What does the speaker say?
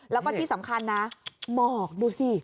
แล้วก็ที่สำคัญนะหมอกดูสิ